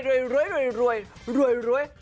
รวย